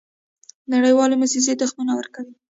نړیوالې موسسې تخمونه ورکوي.